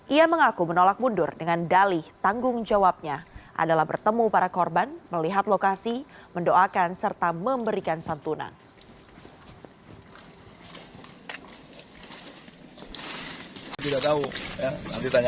ia mengaku menolak mundur dengan dalih tanggung jawabnya adalah bertemu para korban melihat lokasi mendoakan serta memberikan santunan